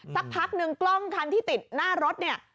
สักพักนึงกล้องคันที่ติดหน้ารถเนี่ย